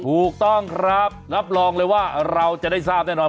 ถูกต้องครับรับรองเลยว่าเราจะได้ทราบแน่นอน